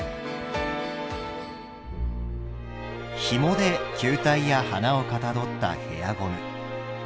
ひもで球体や花をかたどったヘアゴム。